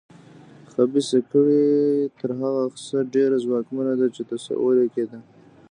خبیثه کړۍ تر هغه څه ډېره ځواکمنه ده چې تصور یې کېده.